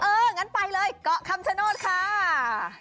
งั้นไปเลยเกาะคำชโนธค่ะ